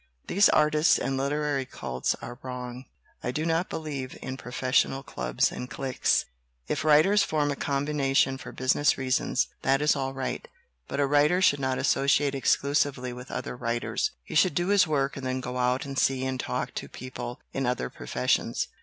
"These artistic and literary cults are wrong. I do not believe in professional clubs and cliques. If writers form a combination for business rea sons, that is all right, but a writer should not associate exclusively with other writers ; he should do his work and then go out and see and talk to people in other professions.